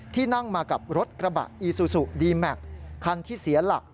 นั่งมากับรถกระบะอีซูซูดีแม็กซ์คันที่เสียหลัก